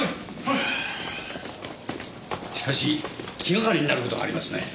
しかし気がかりになる事がありますね。